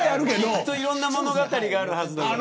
いろんな物語があるはずだから。